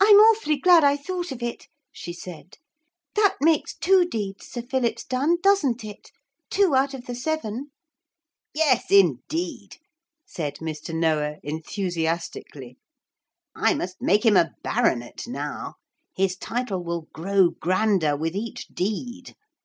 'I'm awfully glad I thought of it,' she said; 'that makes two deeds Sir Philip's done, doesn't it? Two out of the seven.' 'Yes, indeed,' said Mr. Noah enthusiastically. 'I must make him a baronet now. His title will grow grander with each deed.